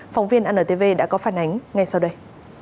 phóng viên antv đã có phản ánh ngay sau đây